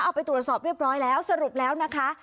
เอาไปตรวจสอบเรียบร้อยแล้วสรุปแล้วนะคะ